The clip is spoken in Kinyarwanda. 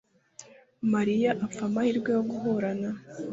Mariya apfa amahirwe yo guhura na .